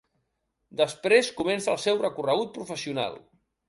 Després comença el seu recorregut professional.